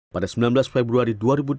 pada sembilan belas februari dua ribu tiga